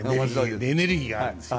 エネルギーがあるんですよ。